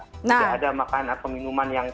jangan ada makan atau minuman yang